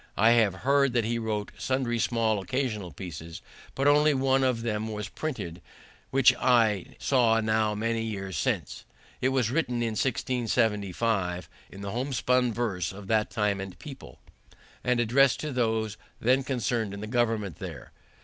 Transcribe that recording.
I have heard that he wrote sundry small occasional pieces, but only one of them was printed, which I saw now many years since. It was written in 1675, in the home spun verse of that time and people, and addressed to those then concerned in the government there.